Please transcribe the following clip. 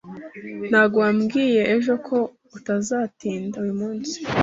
Ntabwo wambwiye ejo ko utazatinda uyu munsi?